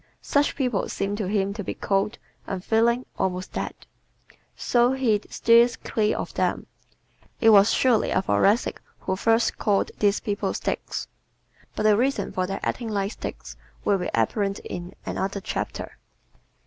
Such people seem to him to be cold, unfeeling, almost dead. So he steers clear of them. It was surely a Thoracic who first called these people "sticks." But the reason for their acting like sticks will be apparent in another chapter.